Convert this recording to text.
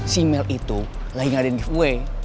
simel itu lagi gak ada giveaway